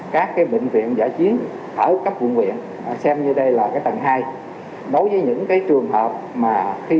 các bệnh viện giả chiến ở cấp quận huyền xem như đây là tầng hai đối với những trường hợp khi